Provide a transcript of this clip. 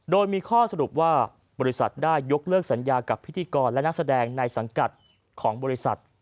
โดยมีข้อสรุปว่าบริษัทได้ยกเลิกสัญญากับพิธีกรและนักแสดงในสังกัดของบริษัท